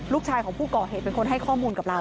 ลูกชายของผู้ก่อเหตุเป็นคนให้ข้อมูลกับเรา